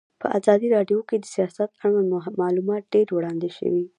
په ازادي راډیو کې د سیاست اړوند معلومات ډېر وړاندې شوي.